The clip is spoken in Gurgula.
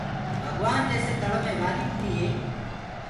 ڀگوآن جيسي ٿݪو مي وآريٚ اُڏديٚ هي